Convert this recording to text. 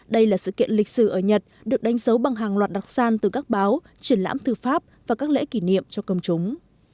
đây là sự kiện lịch sử ở nhật được đánh dấu bằng hàng loạt đặc sản từ các báo triển lãm thư pháp và các lễ kỷ niệm cho công chúng